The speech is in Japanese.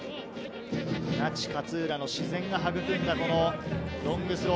那智勝浦の自然が育んだロングスロー。